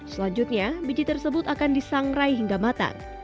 selanjutnya biji tersebut akan disangrai hingga matang